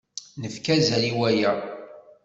Nefka azal i waya.